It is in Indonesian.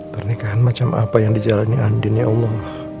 pernikahan macam apa yang dijalani andin ya allah